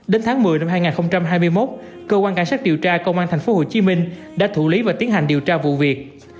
đến tháng một mươi năm hai nghìn hai mươi một cơ quan cảnh sát điều tra công an tp hcm đã thủ lý và tiến hành điều tra vụ việc